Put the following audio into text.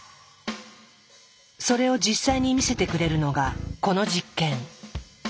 それを実際に見せてくれるのがこの実験。